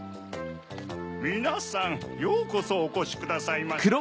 みなさんようこそおこしくださいました。